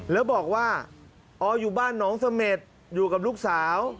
แล้วบอกว่าออยู่บ้านน้องเสม็ดอยู่กับลูกสาว